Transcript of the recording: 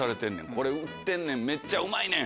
これ売ってんねんめっちゃうまいねん。